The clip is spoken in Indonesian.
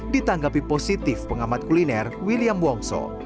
ditanggapi positif pengamat kuliner william wongso